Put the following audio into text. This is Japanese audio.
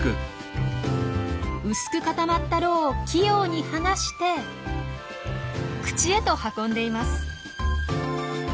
薄く固まった蝋を器用にがして口へと運んでいます。